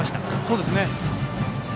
そうですね。